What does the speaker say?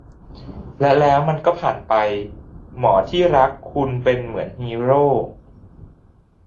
และแล้วมันก็ผ่านไป หมอที่รักคุณเป็นเหมือนฮีโร่